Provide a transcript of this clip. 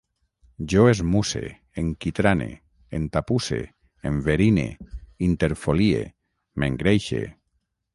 Jo esmusse, enquitrane, entapusse, enverine, interfolie, m'engreixe